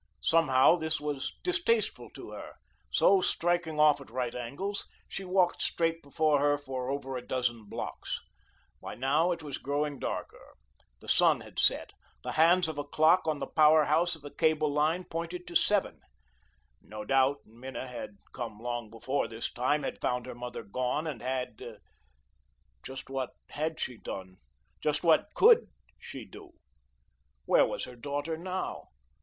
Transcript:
Somehow, this was distasteful to her; so, striking off at right angles, she walked straight before her for over a dozen blocks. By now, it was growing darker. The sun had set. The hands of a clock on the power house of a cable line pointed to seven. No doubt, Minna had come long before this time, had found her mother gone, and had just what had she done, just what COULD she do? Where was her daughter now?